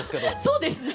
そうですね。